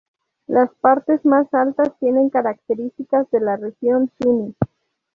Las partes más altas tienen características de la región Suni.